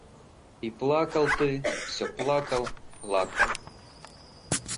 И плакал ты, все плакал, плакал.